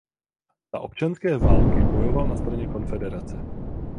Za občanské války bojoval na straně Konfederace.